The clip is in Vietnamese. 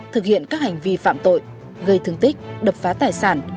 thực hiện các hành vi phạm tội gây thương tích đập phá tài sản